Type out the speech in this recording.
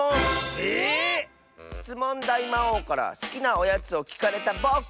ええっ⁉しつもんだいまおうからすきなおやつをきかれたぼく。